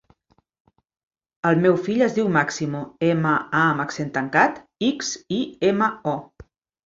El meu fill es diu Máximo: ema, a amb accent tancat, ics, i, ema, o.